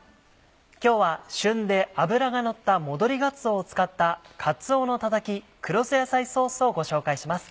今日は旬で脂がのった戻りがつおを使った「かつおのたたき黒酢野菜ソース」をご紹介します。